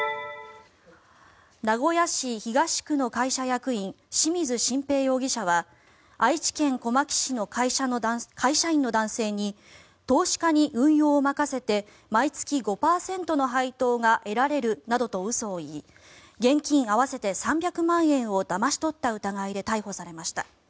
名古屋市東区の会社役員清水真平容疑者は愛知県小牧市の会社員の男性に投資家に運用を任せて毎月５％の配当が得られるなどと嘘を言い現金合わせて３００万円をだまし取った疑いで逮捕されました。